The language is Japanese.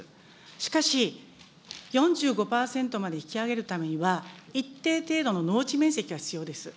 しかし、４５％まで引き上げるためには、一定程度の農地面積が必要です。